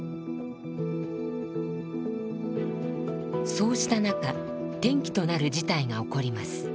そうした中転機となる事態が起こります。